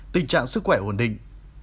tình trạng sức khỏe ổn định